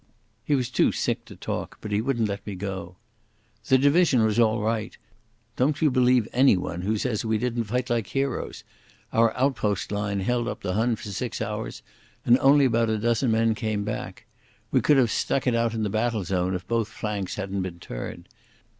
He was too sick to talk, but he wouldn't let me go. "The division was all right. Don't you believe anyone who says we didn't fight like heroes. Our outpost line held up the Hun for six hours, and only about a dozen men came back. We could have stuck it out in the battle zone if both flanks hadn't been turned.